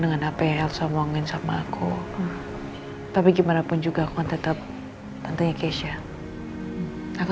ya walaupun heel sikit cuma aku tapi gimana pun juga akan tetap tentunya keisha aku